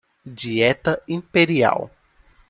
Dieta imperial